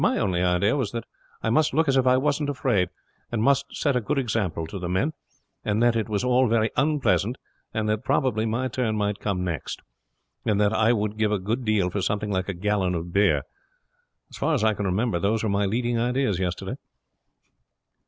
"My only idea was that I must look as if I wasn't afraid, and must set a good example to the men, and that it was all very unpleasant, and that probably my turn might come next, and that I would give a good deal for something like a gallon of beer. As far as I can remember those were my leading ideas yesterday."